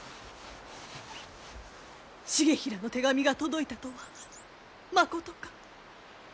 重衡の手紙が届いたとはまことか？